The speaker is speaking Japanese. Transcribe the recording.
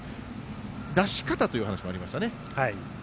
出し方という話もありましたね。